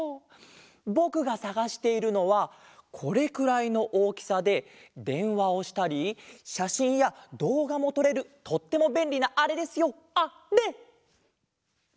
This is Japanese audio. ぼくがさがしているのはこれくらいのおおきさででんわをしたりしゃしんやどうがもとれるとってもべんりなあれですよあれ！